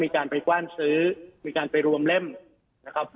มีการไปกว้านซื้อมีการไปรวมเล่มนะครับ